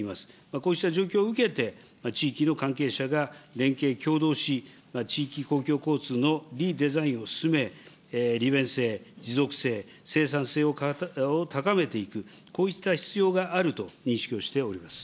こうした状況を受けて、地域の関係者が連携、協働し、地域公共交通のリデザインを進め、利便性、持続性、生産性を高めていく、こうした必要があると認識